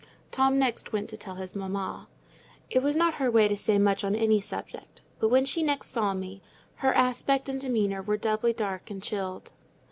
Tom next went to tell his mamma. It was not her way to say much on any subject; but, when she next saw me, her aspect and demeanour were doubly dark and chilled.